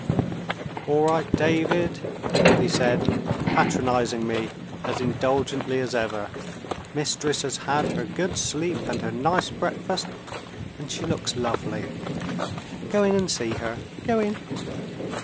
"All right, David!" he said, patronizing me as indulgently as ever. "Mistress has had her good sleep and her nice breakfast, and she looks lovely. Go in, and see her go in!"